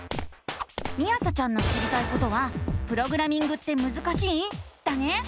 みあさちゃんの知りたいことは「プログラミングってむずかしい⁉」だね！